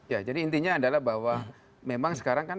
ya jadi intinya adalah bahwa memang sekarang kan